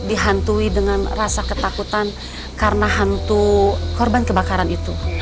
dihantui dengan rasa ketakutan karena hantu korban kebakaran itu